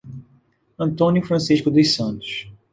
Antônio Francisco dos Santos